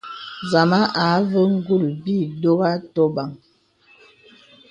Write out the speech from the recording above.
Nzàma àvə ngūl bi dòg atòbəŋ.